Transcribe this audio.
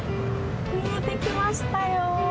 見えてきましたよ。